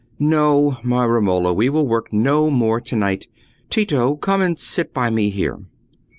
"No, my Romola, we will work no more to night. Tito, come and sit by me here."